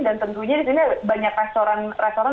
tentunya di sini banyak restoran restoran